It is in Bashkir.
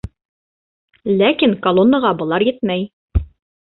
Ләкин колоннаға былар етмәй.